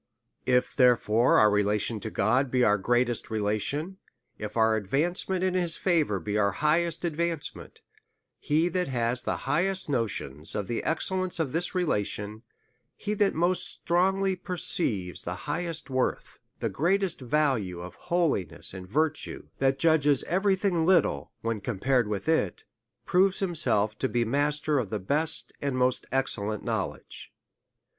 If therefore our relation to God be our great est relation, if our advancement in his favour be our highest advancement, he that has the highest notions of the excellence of this relation, he that most strong ly perceives the highest worth, and the great value of holiness and virtue, that judges every thing little, when compared with it, proves himself to be master of the "best, and most excellent knowledge.